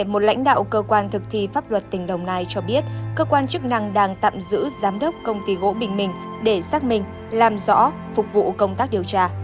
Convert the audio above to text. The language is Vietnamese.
một lãnh đạo cơ quan thực thi pháp luật tỉnh đồng nai cho biết cơ quan chức năng đang tạm giữ giám đốc công ty gỗ bình minh để xác minh làm rõ phục vụ công tác điều tra